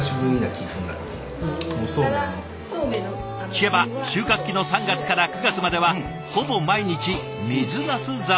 聞けば収穫期の３月から９月まではほぼ毎日水なす三昧。